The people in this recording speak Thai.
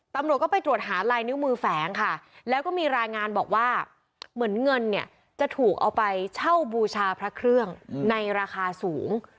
ตำรวจก็ไปตรวจหาลายนิ้วมือแฝงค่ะแล้วก็มีรายงานบอกว่าเหมือนเงินเนี่ยจะถูกเอาไปเช่าบูชาพระเครื่องในราคาสูง